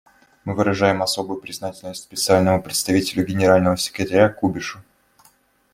Мы выражаем особую признательность Специальному представителю Генерального секретаря Кубишу.